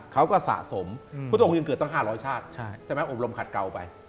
เขาก็สะสมพุทธองค์ยังเกิดตั้ง๕๐๐ชาติอบรมขัดเกาไป